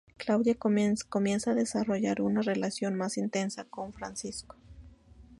Claudia comienza a desarrollar una relación más intensa con Francisco.